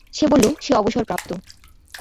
সে বলল সে অবসরপ্রাপ্ত।